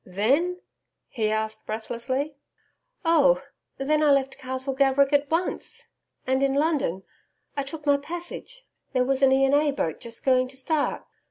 then?' he asked breathlessly. 'Oh, then I left Castle Gaverick at once, and, in London, I took my passage there was an E. and A. boat just going to start.